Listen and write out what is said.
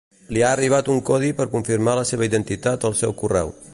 Li ha arribat un codi per confirmar la seva identitat al seu correu.